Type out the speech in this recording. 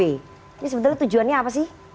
ini sebetulnya tujuannya apa sih